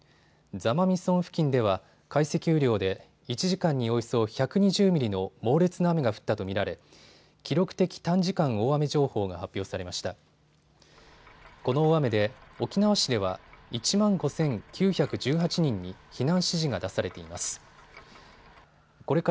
座間味村付近では解析雨量で１時間におよそ１２０ミリの猛烈な雨が降ったと見られ記録的短時間大雨情報が発表されました。